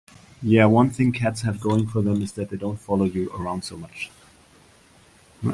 Yeah, one thing cats have going for them is that they don't follow you around so much.